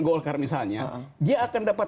golkar misalnya dia akan dapat